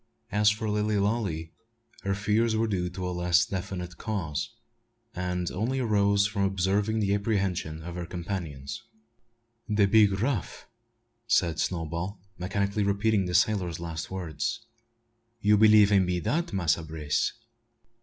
As for Lilly Lalee, her fears were due to a less definite cause, and only arose from observing the apprehension of her companions. "De big raff," said Snowball, mechanically repeating the sailor's last words. "You b'lieve 'im be dat, Massa Brace?"